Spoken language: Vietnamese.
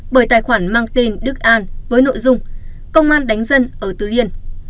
bởi tài khoản mang tên đức an với nội dung công an đánh dân ở tứ yên